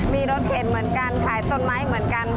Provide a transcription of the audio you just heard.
มีรถเข็นเหมือนกันขายต้นไม้เหมือนกัน